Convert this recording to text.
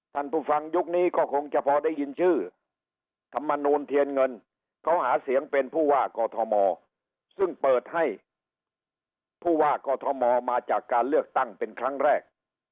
ท่านผู้ฟังยุคนี้ก็คงจะพอได้ยินชื่อธรรมนูลเทียนเงินเขาหาเสียงเป็นผู้ว่ากอทมซึ่งเปิดให้ผู้ว่ากอทมมาจากการเลือกตั้งเป็นครั้งแรก